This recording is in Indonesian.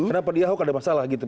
kenapa di ahok ada masalah gitu